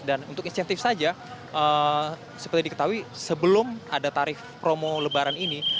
dan untuk insentif saja seperti diketahui sebelum ada tarif promo lebaran ini